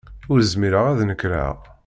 Ur zmireɣ ad nekreɣ.